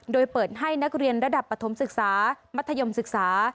โดยเปิดให้นักเรียนระดับปฐมศึกษามัธยมศึกษา